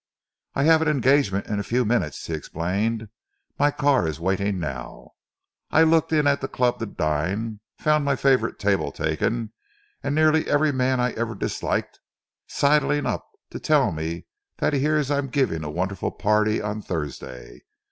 "I have an engagement in a few minutes," he explained. "My car is waiting now. I looked in at the club to dine, found my favourite table taken and nearly every man I ever disliked sidling up to tell me that he hears I am giving a wonderful party on Thursday.